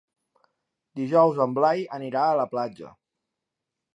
Dijous en Blai anirà a la platja.